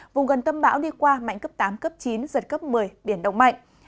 vùng gần tâm bão đi qua mạnh cấp tám cấp chín giật cấp một mươi biển động mạnh